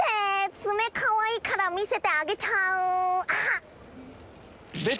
爪かわいいから見せてあげちゃうアハっ！